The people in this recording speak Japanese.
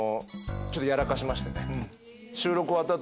ちょっとやらかしましてね。